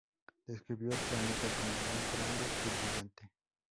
Describió el planeta como "muy grande y brillante".